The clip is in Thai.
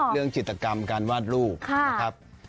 เรื่องจิตรกรรมการวาดรูป